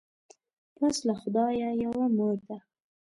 پس له خدایه یوه مور ده